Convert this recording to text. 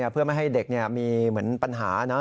เพื่อไม่ให้เด็กมีเหมือนปัญหานะ